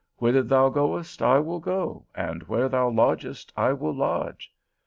"Whither thou goest, I will go; and where thou lodgest, I will lodge."